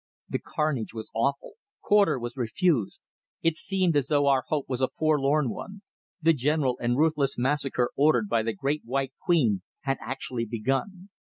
The carnage was awful; quarter was refused. It seemed as though our hope was a forlorn one; the general and ruthless massacre ordered by the Great White Queen had actually begun!